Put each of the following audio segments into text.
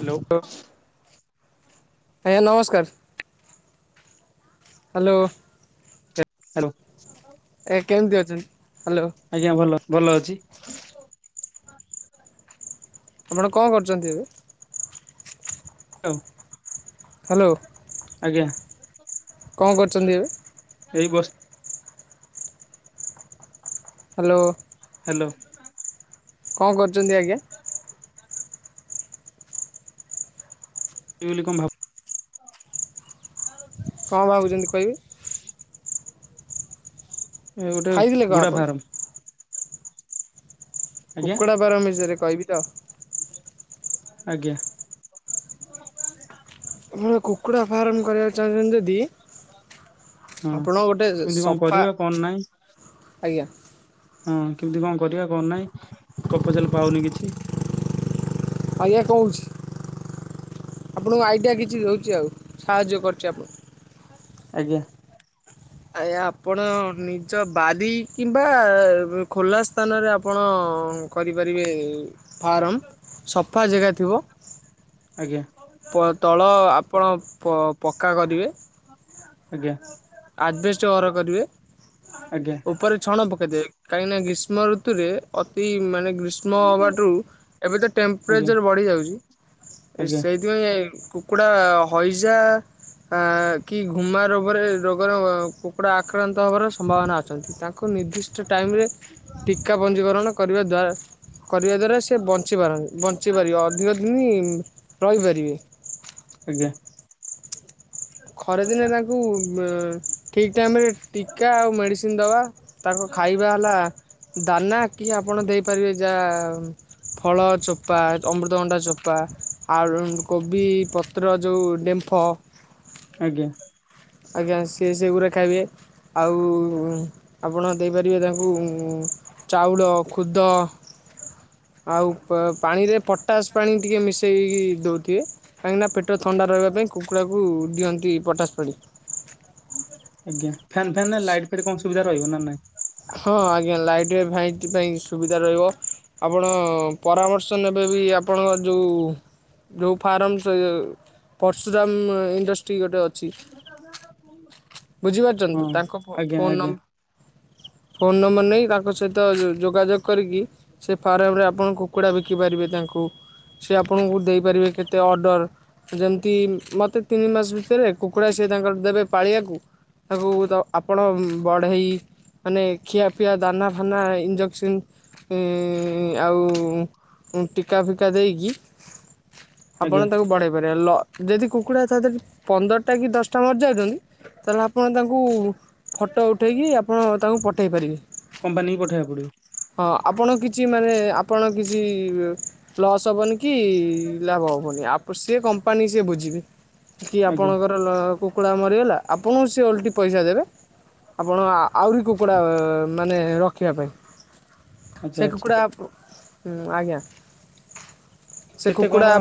Hello ଆଜ୍ଞା ନମସ୍କାର hello. Hello ଏ କେମିତି ଅଛନ୍ତି ହ୍ୟାଲୋ ଆଜ୍ଞା ଭଲ ଭଲ ଅଛି। ଆପଣ କଣ କରୁଛନ୍ତି ଏବେ? ହଉ ହ୍ୟାଲୋ। ଆଜ୍ଞା କଣ କରୁଛନ୍ତି ଏବେ? ଏଇ ବସ୍ ହ୍ୟାଲୋ। ହ୍ୟାଲୋ। କଣ କରୁଛନ୍ତି ଆଜ୍ଞା। ସେ ବୋଲି କଣ ଭାବ କଣ ଭାବୁଛନ୍ତି କହିବେ? ଏ ଗୋଟେ ଖାଇଥିଲେ କଣ କୁକୁଡା ଆପଣ ଫାର୍ମ ଆଜ୍ଞା କୁକୁଡ଼ା ଫାର୍ମ ବିଷୟରେ କହିବି ତ ଆଜ୍ଞା ଆପଣ କୁକୁଡ଼ା ଫାର୍ମ କରିବାକୁ ଚାଁହୁଛନ୍ତି ଯଦି ହଁ ଆପଣଙ୍କ ଗୋଟେ କେମିତି କଣ ସଫା କରିବା କଣ ନାହିଁ ଆଜ୍ଞା ହଁ କେମିତି କଣ କରିବା କଣ ନାହିଁ ପ୍ରପୋଜାଲ ପାଉନି କିଛି ଆଉ ଆଜ୍ଞା କହୁଛି ଆପଣଙ୍କ ଆଇଡ଼ିଆ କିଛି ଦେଉଛି ଆଉ ସାହାଯ୍ୟ କରୁଛି ଆପଣଙ୍କୁ ଆଜ୍ଞା ଆଜ୍ଞା ଆପଣ ନିଜ ବାରି କିମ୍ବା ଖୋଲା ସ୍ଥାନରେ ଆପଣ କରିପାରିବେ ଫାର୍ମ ସପ ସଫା ଜାଗା ଥିବ। ଆଜ୍ଞା ତଳ ଆପଣ ପକ୍କା କରିବେ। ଆଜ୍ଞା ଆଜବେଷ୍ଟ ଘର କରିବେ ଆଜ୍ଞା ଉପରେ ଛଣ ପ ଦେ କାହିଁକି ନା ଗ୍ରୀଷ୍ମ ଋତୁରେ ଅତି ମାନେ ଗ୍ରୀ ସ୍ମ ହେବାଟୁ ଏବେ ତ ଆଜ୍ଞା ଟେମ୍ପରେଚର୍ ବଢ଼ିଯାଉଛି ଆଜ୍ଞା ସେଇଥିପାଇଁ କୁକୁଡ଼ା ହଇଜା ଆ କି ଘୁମା ରୋଗରେ ର ର କୁକୁଡ଼ା ଆକ୍ରାନ୍ତ ହେବାର ସମ୍ଭାବନା ଅଛନ୍ତି ତାଙ୍କୁ ନିର୍ଦ୍ଦିଷ୍ଟ ଟାଇମରେ ଟୀକା ପଞ୍ଜୀକରଣ କରିବା ଦ୍ୱାରା କରିବା ଦ୍ୱାରା ସେ ବଞ୍ଚିପାରନ୍ତି ବଞ୍ଚିପାରିବ। ଦୀର୍ଘ ଦିନ ରହିପାରିବେ। ଆଜ୍ଞା। ଖରାଦିନେ ତାଙ୍କୁ ଠିକ୍ ଟାଇମରେ ଟୀକା ଆଉ ମେଡ଼ିସିନ ଦବା। ତାଙ୍କ ଖାଇବା ହେଲା ଦାନା କି ଆପଣ ଦେଇପାରିବେ ଯା ଫଳ ଚୋ ଚୋପା ଅମୃତଭଣ୍ଡା ଚୋପା ଆଉ କୋବି ପତ୍ର ଯୋଉ ଡେମ୍ଫ ଆଜ୍ଞା। ଆଜ୍ଞା ସେ ସେଗୁଡ଼ା ଖାଇବେ ଆଉ ଆପଣ ଦେଇପାରିବେ ତାଙ୍କୁ ଚାଉଳ ଖୁଦ ଆଉ ପାଣିରେ ପଟାସ ପାଣି ଟିକେ ମିଶେଇକି ଦଉଥିବେ। କାହିଁକିନା ପେଟ ଥଣ୍ଡା ରହିବା ପାଇଁ କୁକୁଡ଼ାକୁ ଦିଅନ୍ତି ପଟାସ ପାଣି। ଆଜ୍ଞା ଫ୍ୟାନ୍ ଫ୍ୟାନ୍ ନା ଲାଇଟ୍ ଫାଇଟ କଣ ସୁବିଧା ରହିବ ନା ନାଇଁ? ହଁ ଆଜ୍ଞା ଲାଇଟରେ ଭାଇ ପାଇଁ ସୁବିଧା ରହିବ। ଆପଣ ପରାମର୍ଶ ନେବେ ବି ଆପଣଙ୍କ ଯୋଉ ଯେଉ ଫାର୍ମ ସେ ପର୍ସୁରାମ ଇଣ୍ଡଷ୍ଟ୍ରି ଗୋଟେ ବୁଝିପାରୁଛନ୍ତି ହଁ ତ ତାଙ୍କ ଆଜ୍ଞା ଫୋନନ ଆଜ୍ଞା ଫୋନ ନମ୍ବର ନେଇ ତାଙ୍କ ସହିତ ଯୋଗାଯୋଗ କରିକି ସେ ଫାର୍ମରେ ଆପଣ କୁକୁଡ଼ା ବିକିପାରିବେ ତାଙ୍କୁ। ସେ ଆପଣଙ୍କୁ ଦେଇପାରିବେ କେତେ ଅର୍ଡ଼ର ଯେମିତି ମୋତେ ତିନି ମାସ ଭିତରେ କୁକୁଡ଼ା ସିଏ ତାଙ୍କର ଦେବେ। ପାଳିବାକୁ ତାକୁ ଆପଣ ବଢେଇ ମାନେ ଖଆ ପିଆ ଦାନା ଫାନା ଇଞ୍ଜେକ୍ସନ ଆଉ ଟିକା ଫିକା ଦେଇକି ଆଜ୍ଞା ଆପଣ ତାକୁ ବଢେଇ ପାରିବେ ଲ ଯଦି କୁକୁଡ଼ା ତା ଦେହରେ ପନ୍ଦରଟା କି ଦଶଟା ମରିଯାଉଛନ୍ତି ତାହେଲେ ଆପଣ ତାଙ୍କୁ ଫଟୋ ଉଠେଇକି ଆପଣ ତାଙ୍କୁ ପଠାଇ ପାରିବେ। କମ୍ପାନୀକି ପଠାଇବାକୁ ପଡିବ। ହଁ ଆପଣ କିଛି ମାନେ ଆପଣ କିଛି ଲସ୍ ହବନି କି? କି ଲାଭ ହବନି ସେ କମ୍ପାନୀ ସିଏ ବୁଝିବେ କି ଆଜ୍ଞା ଆପଣଙ୍କର କୁକୁଡ଼ା ମରିଗଲା ଆପଣଙ୍କୁ ସେ ଓଲଟି ପଇସା ଦେବେ ଆପଣ ଆହୁରି କୁକୁଡ଼ା ମାନେ ରଖିବା ପାଇଁ ଆଚ୍ଛା ସେ ଆଚ୍ଛା କୁକୁଡ଼ା ଆଜ୍ଞା। ସେ କେତେ କୁକୁଡ଼ା କଣ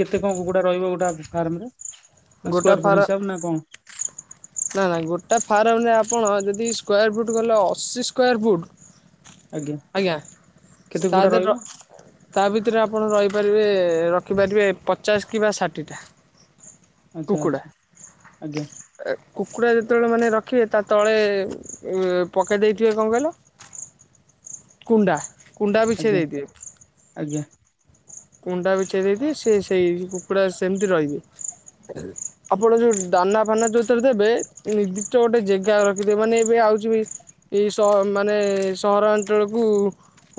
କେତେ କଣ କୁକୁଡା ରହିବ ଗୋଟେ ଫାର୍ମରେ? ଗୋଟା ଫାରା ନା ନା ଗୋଟେ ଫାର୍ମରେ ଆପଣ ଯଦି ସ୍କୋୟାର ଫୁଟ ଗଲେ ଅଶି ସ୍କୋୟାର ଫୁଟ। ଆଜ୍ଞା କେତେ ଗୁଡା ତାହାଲେ ରହିବ ର ତା ଭିତରେ ଆପଣ ରହିପାରିବେ ରଖିପାରିବେ ପଚାଶ କିମ୍ବା ଷାଠିଏଟା। ଆଚ୍ଛା ଆଚ୍ଛା ଆଜ୍ଞା। ଏ କୁକୁଡ଼ା ଯେତେବେଳେ ମାନେ ରଖିବେ ତା ତଳେ ପକାଇ ଦେଇଥିବେ କଣ କହିଲ? କୁଣ୍ଡା କୁଣ୍ଡା ଆଜ୍ଞା ବିଛେଦେଇଥିବେ। ଆଜ୍ଞା। କୁଣ୍ଡା ବିଛେଇଦେଇଥିବେ ସେ ସେଇ କୁକୁଡ଼ା ସେମିତି ରହିବେ ଆପଣ ଯୋଉ ଦାନା ଫାନା ଯୋଉଥିରେ ଦେବେ ନିର୍ଦ୍ଧିଷ୍ଟ ଗୋଟେ ଯେଗା ରଖିଥିବେ ମାନେ ଏବେ ଆଉଛି ଏଇ ସହର ମାନେ ସହରାଞ୍ଚଳକୁ।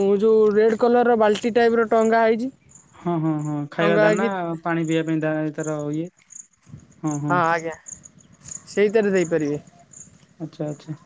ହୁଁ ଯୋଉ ରେଡ଼୍ କଲରର ବାଲ୍ଟି ଟାଇପର ଟଙ୍ଗା ହୋଇଛି। ହଁ ହଁ ହଁ ଖାଇବା ଦାନା ପାଣି ପିଇବା ପାଇଁ ଏ ତାର ଇଏ ହଁ ଆଜ୍ଞା ସେଇଥିରେ ଦେଇପାରିବେ। ଆଚ୍ଛା ଆଚ୍ଛା।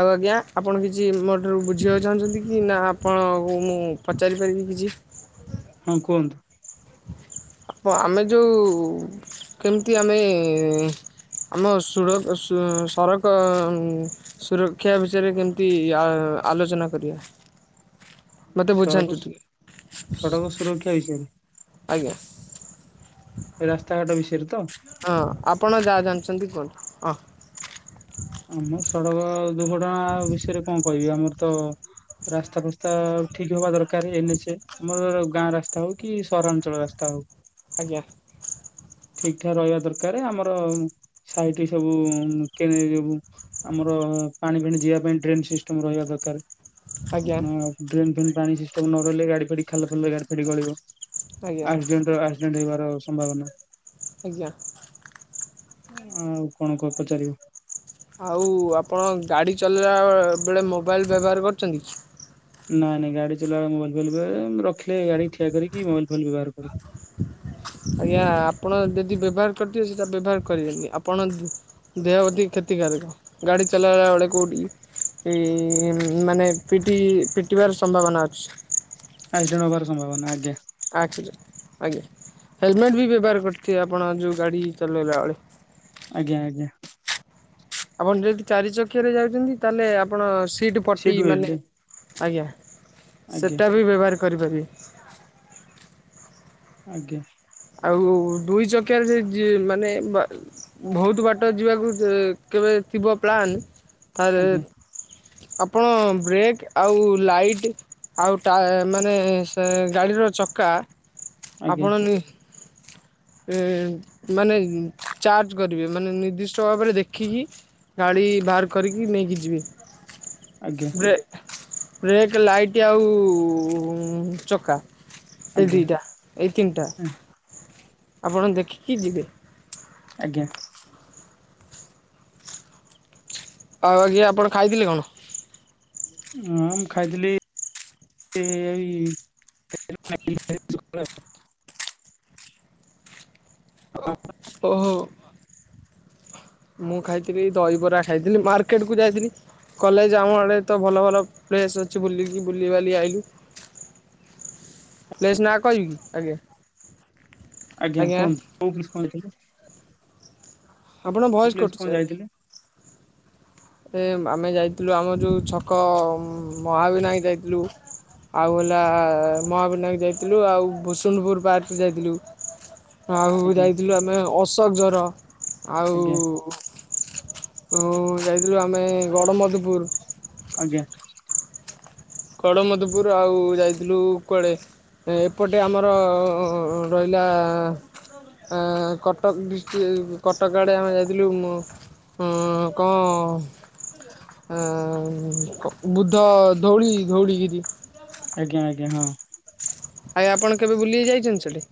ଆଉ ଆଜ୍ଞା, ଆପଣ କିଛି ମୋ ଠାରୁ ବୁଝିବାକୁ ଚାହୁଁଛନ୍ତି କି? ନା, ଆପଣଙ୍କୁ ମୁଁ ପଚାରିପାରିବି କିଛି? ହଁ, କୁହନ୍ତୁ। ଆପ ଆମେ ଯଉ, କେମିତି ଆମେଁ -ଏ ଆମ ସୁଡ଼କ ସୁ-ସରକ-ଉଁ ସୁରକ୍ଷା ବିଷୟରେ କେମିତି ଆ ଆଲୋଚନା କରିବା? ମୋତେ ବୁଝାନ୍ତୁ ସଡ଼କ ସୁ, ଟିକେ ସଡ଼କ ସୁରକ୍ଷା ବିଷୟରେ। ଆଜ୍ଞା। ଏ ରାସ୍ତାଘାଟ ବିଷୟରେ ତ! ହଁ, ଆପଣ ଯାହା ଜାଣିଛନ୍ତି, କୁହନ୍ତୁ ଅଁ। ମୁଁ, ସଡକ ଦୁର୍ଘଟଣା ବିଷୟରେ କଣ କହିବି? ଆମର ତ ରାସ୍ତା ଫାସ୍ତା ଠିକ୍ ହବା ଦରକାର୍। N H A. ଆମର ଗାଁ ରାସ୍ତା ହଉ, କି ସହରାଞ୍ଚଳ ରାସ୍ତା ହଉ। ଆଜ୍ଞା। ଠିକ୍ ଠାକ୍ ରହିବା ଦରକାରେ। ଆମର ସାହିଠି ସବୁ-ଉଁ କେ [unintelligible] ଆମର ପାଣି ଫାଣି ଯିଆ ପାଇଁ, ଡ୍ରେନ୍ ସିଷ୍ଟମ୍ ରହିବା ଦରକାର। ଆଜ୍ଞା ଆ ଡ୍ରେନ୍ ଫେନ୍ ପାଣି ସିଷ୍ଟମ୍ ନ ରହିଲେ, ଗାଡି ଫାଡି ଖାଲ ଫାଲରେ ଗାଡି ଫାଡି ଗଳିବ। ଆଜ୍ଞା ଆକ୍ସିଡେଣ୍ଟ! ଆକ୍ସିଡେଣ୍ଟ, ହେବାର ସମ୍ଭାବନା। ଆଜ୍ଞା। ଆଉ କଣ କ ପଚାରିବ? ଆଉ, ଆପଣ ଗାଡ଼ି ଚଲେଇଳା ବେଳେ ମୋବାଇଲ୍ ବ୍ୟବହାର କରୁଛନ୍ତି? ନାଇଁ ନାଇଁ ଗାଡି ଚଲେଇଲା୍ [unintelligible] ମୋବାଇଲ୍ ଫୋବାଇଲ୍ [unintelligible] ରଖିଲେ, ଗାଡି ଠିଆ କରିକି ମୋବାଇଲ୍ ଫୋବାଇଲ୍ ବ୍ୟବହାର କରେ। ଆଜ୍ଞା, ଆପଣ ଯଦି ବ୍ୟବହାର କରିଥିବେ। ସେଇଟା ବ୍ୟବହାର କରିବେନି। ଆପଣ ଦେହ ପ୍ରତି କ୍ଷତିକାରକ, ଗାଡ଼ି ଚଲେଇଲା ବେଳେ କଉଠି ଏଇ ମାନେ ପିଟି-ଇ ପିଟିବାର ସମ୍ଭାବନା ଅଛି! ଆକ୍ସିଡେଣ୍ଟ ହବାର ସମ୍ଭାବନା। ଆଜ୍ଞା। ଆକ୍ସିଡେଣ୍ଟ ଆଜ୍ଞା। ହେଲମେଟ୍ ବି ବ୍ୟବହାର କରିଥିବେ, ଆପଣ ଯୋଉଁ ଗାଡ଼ି ଚଲେଇଲାବେଳେ। ଆଜ୍ଞା, ଆଜ୍ଞା। ଆପଣ ଯଦି ଚାରି ଚକିଆରେ ଯାଇଛନ୍ତି, ତାହେଲେ ଆପଣ ସିଟ ସେ ପଟି ମାନେ ଡୁଏଲ ଆଜ୍ଞା, ଆଜ୍ଞା ସେଟା ବି ବ୍ୟବହାର କରିପାରିବେ। ଆଜ୍ଞା। ଆଉ, ଦୁଇ ଚକିଆରେ ସେ ଯି ମାନେ ବା ବହୁତ୍ ବାଟ ଯିବାକୁ ଯେ କେବେ ଥିବ, ପ୍ଲାନ୍ ତାରେ ଆଜ୍ଞା ଆପଣ ବ୍ରେକ୍, ଆଉ ଲାଇଟ୍ ଆଉ ଟା, ମାନେ ସେ ଗାଡ଼ିର ଚକା ଆଜ୍ଞା ଆପଣ ନି ଏଁ ମାନେ, ଇଁ ଚାର୍ଜ କରିବେ। ମାନେ ନିର୍ଦ୍ଦିଷ୍ଟ ଭାବରେ ଦେଖିକି, ଗାଡି ବାହାର କରିକି ନେଇକି ଯିବେ। ଆଜ୍ଞା। ବ୍ରେ, ବ୍ରେକ୍, ଲାଇଟ୍, ଆଉ ଚକା। ଏଇ ଆଜ୍ଞା ଦିଇଟା, ଏଇ ତିନିଟା, ଆପଣ ଦେଖିକି ଯିବେ। ଆଜ୍ଞା। ଆଉ, ଆଜ୍ଞା! ଆପଣ ଖାଇଥିଲେ କଣ? ମୁଁ ଖାଇଥିଲି ଏଇ [inaudible] ହଁ [inaudible] ଓହୋ! ମୁଁ ଖାଇଥିଲି, ଦହିବରା ଖାଇଥିଲି। ମାର୍କେଟ କୁ ଯାଇଥିଲି। କଲେଜ ଆଉଁ ଆଡ଼େ ତ ଭଲ ଭଲ ପ୍ଲେସ୍ ଅଛି, ବୁଲିକି ବୁଲିବାଲି ଆଇଲି। ପ୍ଲେସ୍ ନା କହିବିକି? ଆଗ୍ୟା। ଆଜ୍ଞା, କୁହନ୍ତୁ। କୋଉ ପ୍ଲିସ୍ କହୁଥିଲେ? ଆପଣଙ୍କ ଭଏସ୍ କଟୁଛି ଆଜ୍ଞା। ଏ ଆମେ ଯାଇଥିଲୁ ଆମ ଯୋଉଁ ଛକ ମହାବିନାୟକ ଯାଇଥିଲୁ। ଆଉ ହେଲା ମହାବିନାୟକ ଯାଇଥିଲୁ ଆଉ ଭୁସୁନପୁର ପାର୍କ ଯାଇଥିଲୁ। ଆଉ ଆଜ୍ଞା ଯାଇଥିଲୁ ଆମେ ଅଶୋକ ଝର ଆଉ। ଆଜ୍ଞା ହୁଁ ଯାଇଥିଲୁ ଆମେ ଗଡ଼ମଧୁପୁର। ଆଜ୍ଞା। ଗଡ଼ମଧୂପୁର ଆଉ ଯାଇଥିଲୁ କୁଆଡ଼େ ଏପଟେ ଆମର ରହିଲା ଆଁ କଟକ ଡିଷ୍ଟ୍ରି କଟକ ଆଡ଼େ ଆମେ ଯାଇଥିଲୁ କ ଆଁ ବୁଦ୍ଧ ଧଉଳି ଧଉଳିିଗିରି ଆଜ୍ଞା ଆଜ୍ଞା ହଁ। ଆଜ୍ଞା ଆପଣ କେବେ ବୁଲି ଯାଇଛନ୍ତି ସେଠି?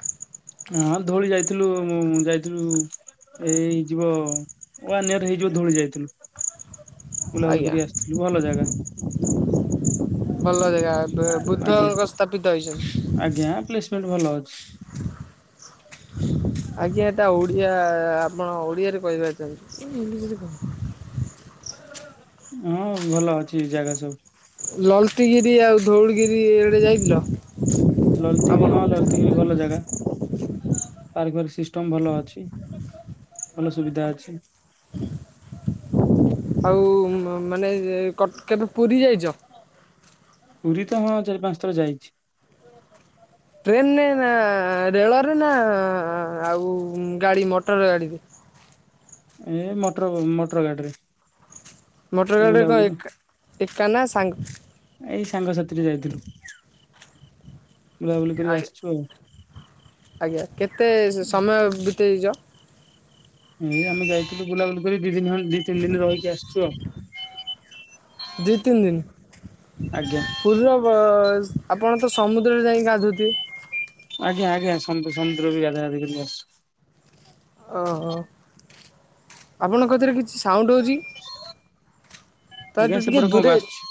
ହଁ ଧଉଳି ଯାଇଥିଲୁ ମୁଁ ଯାଇଥିଲୁ। ଏ ଏ ହେଇଯିବ ୱାନ ଇୟର ହେଇଯିବ ଧଉଳି ଯାଇଥିଲୁ। ବୁଲାବୁଲି ଆଜ୍ଞା କରି ଆସିଥିଲୁ ଭଲ ଜାଗା। ଭଲ ଜାଗା ଆଜ୍ଞା ବୁଦ୍ଧଙ୍କ ସ୍ଥାପିତ ହେଇଛନ୍ତି। ଆଜ୍ଞା ପ୍ଲେସମେଣ୍ଟ ଭଲ ଅଛି। ଆଜ୍ଞା ଏଟା ଓଡିଆ ଆପଣ ଓଡିଆରେ କହିପାରିଥାନ୍ତେ ଇଂଲିଶରେ କହ ହଁ ଭଲ ଅଛି ଜାଗା ସବୁ। ଲଳିତିଗିରି ଆଉ ଧଉଳଗିରି ଏ ଆଡେ ଯାଇଥିଲ? ଲଲତିଗି ଆପଣ? ହଁ ଲଲତିଗିରି ଭଲ ଜାଗା। ପାର୍କ ଫର୍କ୍ ସିଷ୍ଟମ ଭଲ ଅଛି ଭଲ ସୁବିଧା ଅଛି। ଆଉ ମାନେ କଟ କେବେ ପୁରୀ ଯାଇଛ? ପୁରୀ ତ ହଁ ଚାରି ପାଞ୍ଚ ଥର ଯାଇଛି। ଟ୍ରେନରେ ନା ରେଳରେ ନା ଆଉ ଗାଡି ମଟର ଗାଡିରେ ଏ ମଟର ମଟର ଗାଡିରେ ମୋଟର ଏ ଗାଡ଼ିରେ କଣ ବୁଲାବୁଲି କରି- ଏକ୍ ଏକା ନା ସାଙ୍ଗ୍ ଏଇ ସାଙ୍ଗସାଥିରେ ଯାଇଥିଲୁ ବୁଲାବୁଲି କରି ଆଜ୍ଞା ଆସିଛୁ ଆଉ। ଆଜ୍ଞା କେତେ ସମୟ ବିତେଇଛ? ଏଇ ଆମେ ଯାଇଥିଲୁ ବୁଲାବୁଲି କରି ଦି ଦିନ ଖଣ୍ଡ ଦି ତିନି ଦିନ ରହିକି ଆସିଛୁ ଆଉ ଦି ତିନି ଦିନ ଆଜ୍ଞା। ପୁରୀର ଅ ଆପଣ ତ ସମୁଦ୍ରରେ ଯାଇକି ଗାଧାଉଥିବେ। ଆଜ୍ଞା ଆଜ୍ଞା ସମୁଦ୍ର ସମୁଦ୍ରରେ ବି ଗାଧା ଗାଧି କରି ଆସୁଚୁ। ଓହୋ ଆପଣଙ୍କଥିରେ କିଛି ସାଉଣ୍ଡ ହେଉଛି? ଆଜ୍ଞା ତାଠୁ ଟିକେ ସେପଟେ କଣ ଦୁରେ ବାସୁଛି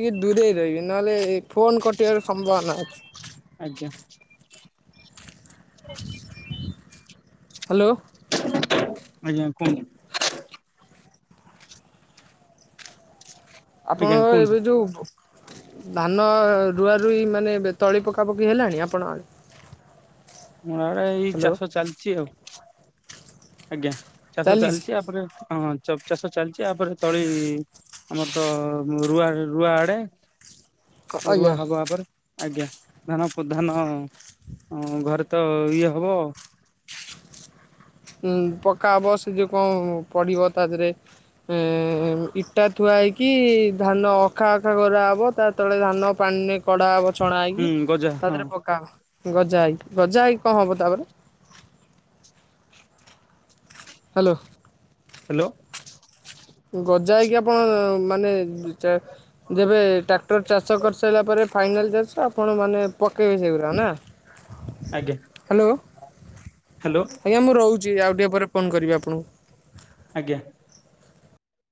ଟିକେ ଦୂରେଇ ରହିବେ ନହେଲେ ଫୋନ କଟିବାର ସମ୍ଭାବନା ଅଛି। ଆଜ୍ଞା। ।। ହାଲୋ। ଆଜ୍ଞା କୁହନ୍ତୁ। ଆଜ୍ଞା ଆପଣଙ୍କର କୁହନ୍ତୁ। ଏବେ ଯୋଉ ଧାନ ରୁଆ ରୁଇ ମାନେ ଏବେ ତଳି ପକାପକି ହେଲାଣି ଆପଣ ଆଡେ? ମୋର ଆଡେ ଏଇ ଚାଷ ଚାଲିଛି ଆଉ। ଆଜ୍ଞା ଚାଷ ଚାଲିଛି ଆପରେ ହଁ ଚାଷ ଚାଲିଛି ଆପରେ ତଳି ଆମରତ ରୁଆ ରୁଆ ଆଡେ ଆଜ୍ଞା। ରୁଆ ହବ ଆପରେ। ଆଜ୍ଞା ଧାନ ପ ଧାନ ଘରେ ତ ଇଏ ହବ। ଉଁ ପକା ହବ ସେ ଯୋଉ କଣ ପଡିବ ତା ଦେରେ। ଏ ଇଟା ଥୁଆ ହେଇକି ଧାନ ଅଖା ଅଖା କରାହେବ ତା ତଳେ ଧାନ ପାଣିରେ କଢା ହବ ଛଣା ହୁଁ ହେଇକି ଗଜା ତା ହଁ ଦେହରେ ପକାହବ ଗଜା ହେଇକି ଗଜା ହେଇକି କଁ ହବ ତାପରେ। ହ୍ୟାଲୋ। ହ୍ୟାଲୋ। ଗଜା ହେଇକି ଆପଣ ମାନେ ଚା ଯେବେ ଟ୍ରାକ୍ଟର ଚାଷ କରିସାରିଲା ପରେ ଫାଇନାଲ୍ ଚାଷ ଆପଣ ମାନେ ପକେଇବେ ସେଗୁଡ଼ା ନା। ଆଜ୍ଞା ହ୍ୟାଲୋ ହ୍ୟାଲୋ ଆଜ୍ଞା ମୁଁ ରହୁ ଯି ଆଉ ଟିକେ ପରେ ଫୋନ୍ କରିବି ଆପଣଙ୍କୁ? ଆଜ୍ଞା।